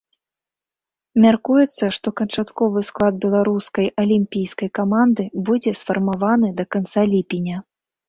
Мяркуецца, што канчатковы склад беларускай алімпійскай каманды будзе сфармаваны да канца ліпеня.